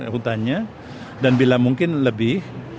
hutannya dan bila mungkin lebih